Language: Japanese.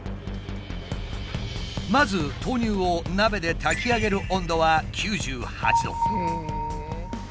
まず豆乳を鍋で炊き上げる温度は９８℃。